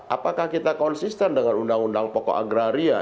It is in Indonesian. apakah kita konsisten dengan undang undang pokok agraria